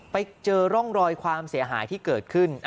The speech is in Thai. ไปเจอร่องรอยความเสียหายที่เกิดขึ้น